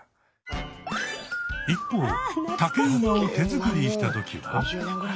一方竹馬を手作りしたときは。